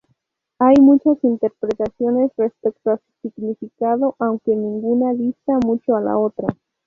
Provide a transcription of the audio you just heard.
Hay muchas interpretaciones respecto a su significado, aunque ninguna dista mucho de la otra.